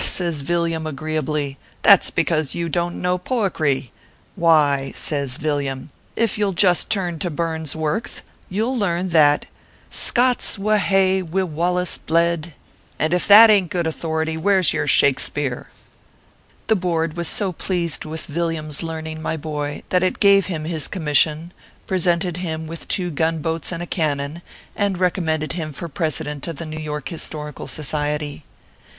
says Villiam, agreeably, " that s because you don t know poickry. Why," says Villiam, "if you ll just turn to Burns works, you ll learn that " Scot s wha ha e wi Wallace bled, and if that ain t good authority, where s your Shaks peare ?" The Board was so pleased with Villiam s learning, ray boy, that it gave him his commission, presented him with two gun boats and a cannon, and recom 130 ORPHEUS C. KERR PAPERS. mended him for President of the New York Histor ical Society.